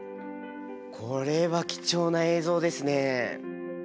これは貴重な映像ですね。